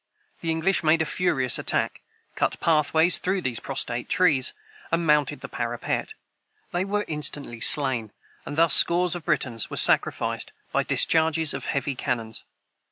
The English made a furious attack, cut pathways through these prostrate trees, and mounted the parapet. They were instantly slain, and thus scores of Britons were sacrificed, by discharges of heavy cannons.